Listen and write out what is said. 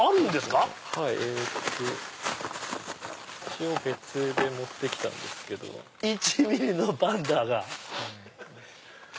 一応別で持って来たんです。１ｍｍのパンダが！